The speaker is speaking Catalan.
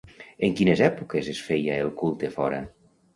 En quines èpoques es feia el culte fora?